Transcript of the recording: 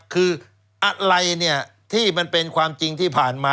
คืออะไรเนี่ยที่มันเป็นความจริงที่ผ่านมา